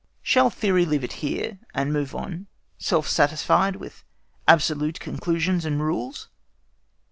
Shall theory leave it here, and move on, self satisfied with absolute conclusions and rules?